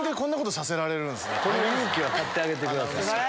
この勇気は買ってあげてください。